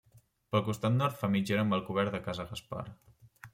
Pel costat nord fa mitgera amb el cobert de Casa Gaspar.